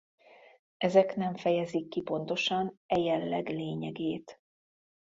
Ezek nem fejezik ki pontosan e jelleg lényegét.